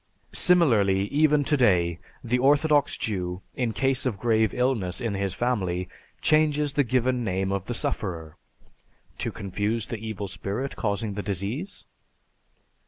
Similarly, even today, the orthodox Jew, in case of grave illness in his family, changes the given name of the sufferer. To confuse the evil spirit causing the disease?